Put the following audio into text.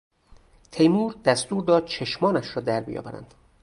تیمور دستور داد چشمانش را در بیاورند.